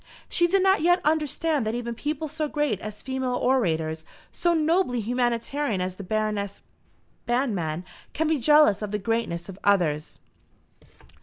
She did not yet understand that even people so great as female orators, so nobly humanitarian as the Baroness Banmann, can be jealous of the greatness of others.